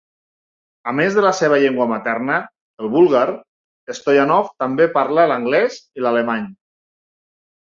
A més de seva llengua materna, el búlgar, Stoyanov també parla l'anglès i l'alemany.